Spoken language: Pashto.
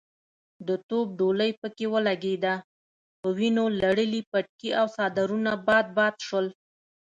د توپ ډولۍ پکې ولګېده، په ونيو لړلي پټکي او څادرونه باد باد شول.